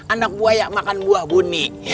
anak buaya makan buah bunyi